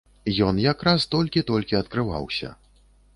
Ён якраз толькі-толькі адкрываўся.